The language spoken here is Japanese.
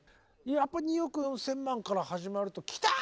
やっぱ「２億４千万」から始まるときた！